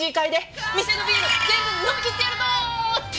店のビール全部飲みきってやるぞ！って